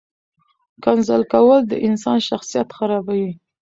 ښکنځل کول د انسان شخصیت خرابوي.